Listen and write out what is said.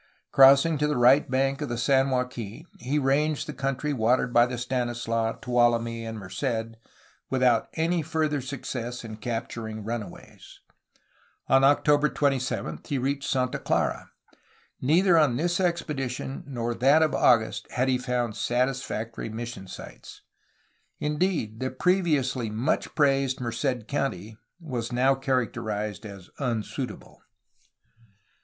Crossing to the right bank of the San Joaquin he ranged the country watered by the Stanislaus, Tuolumne, and Merced, without any further success in capturing run aways. On October 27 he reached Santa Clara. Neither on this expedition nor in that of August had he found satisfac tory mission sites. Indeed the previously much praised Merced country was now characterized as unsuitable.